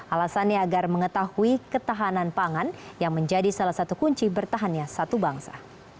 alasannya agar mengetahui ketahanan pangan yang menjadi salah satu kunci bertahannya satu bangsa